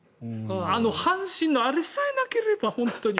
あの阪神のあれさえなければ本当に。